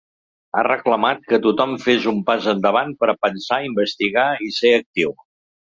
Ha reclamat que tothom fes un pas endavant per pensar, investigar i ser actiu.